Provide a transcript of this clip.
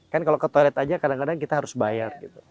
kan kalau ke toilet aja kadang kadang kita harus bayar gitu